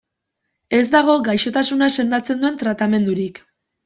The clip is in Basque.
Ez dago gaixotasuna sendatzen duen tratamendurik.